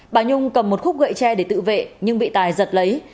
bà nhung cầm một khúc gậy tre để tự vệ nhưng bị tài giật lấy